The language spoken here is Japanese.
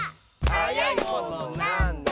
「はやいものなんだ？」